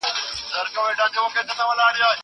که وخت وي، سبزېجات تياروم!!